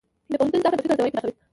د پوهنتون زده کړه د فکر زاویې پراخوي.